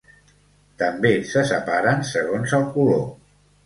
També se separen segons el color.